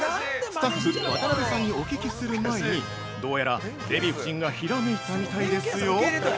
スタッフ渡邉さんにお聞きする前にどうやら、デヴィ夫人がひらめいたみたいですよ。